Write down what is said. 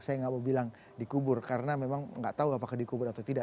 saya nggak mau bilang dikubur karena memang nggak tahu apakah dikubur atau tidak